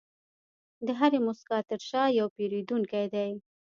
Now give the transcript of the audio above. د هرې موسکا تر شا یو پیرودونکی دی.